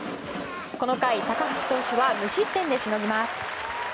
この回、高橋投手は無失点でしのぎます。